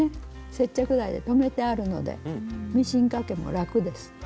接着剤で留めてあるのでミシンかけも楽です。